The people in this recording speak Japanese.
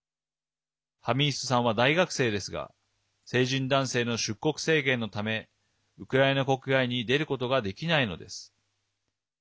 ハミースさんは大学生ですが成人男性の出国制限のためウクライナ国外に出ることができないのです。